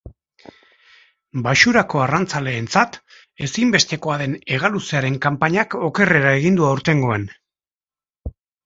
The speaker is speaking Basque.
Baxurako arrantzaleentzat ezinbestekoa den hegaluzearen kanpainak okerrera egin du aurtengoan.